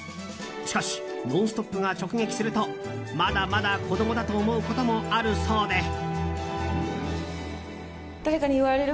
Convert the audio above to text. しかし、「ノンストップ！」が直撃するとまだまだ子供だと思うこともあるそうで。